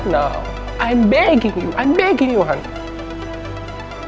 tapi sekarang aku minta maaf aku minta maaf iwan